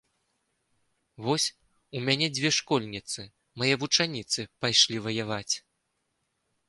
Вось, у мяне дзве школьніцы, мае вучаніцы, пайшлі ваяваць.